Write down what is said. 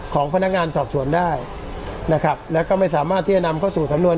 ของพนักงานสอบสวนได้นะครับแล้วก็ไม่สามารถที่จะนำเข้าสู่สำนวน